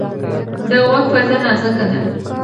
د غوږ پرده نازکه ده.